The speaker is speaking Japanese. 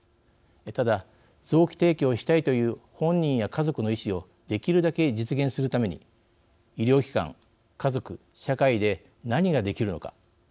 ただ、臓器提供したいという本人や家族の意思をできるだけ実現するために医療機関、家族、社会で何ができるのか。